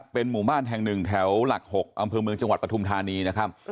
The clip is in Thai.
เป็นหมู่บ้านแห่งหนึ่งแถวหลัก๖อำเภอเมืองจังหวัดปฐุมธานีนะครับ